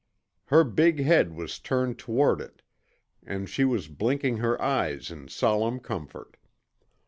Her big head was turned toward it, and she was blinking her eyes in solemn comfort.